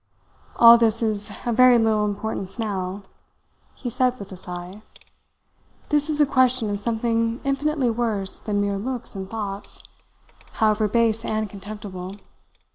"All this is of very little importance now," he said with a sigh. "This is a question of something infinitely worse than mere looks and thoughts, however base and contemptible.